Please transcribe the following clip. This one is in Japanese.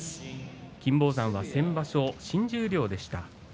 金峰山は先場所、新十両でした。